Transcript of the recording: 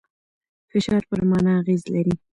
فشار پر مانا اغېز لري.